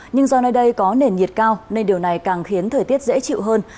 nhưng do nơi đây có nền nhiệt cao nên điều này càng khiến thời tiết dễ chịu hơn